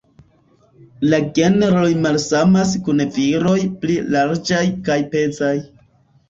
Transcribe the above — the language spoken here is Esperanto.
La genroj malsamas kun viroj pli larĝaj kaj pezaj.